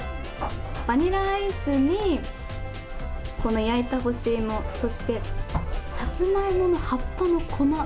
バニラアイスにこの焼いた干しいもそして、さつまいもの葉っぱの粉。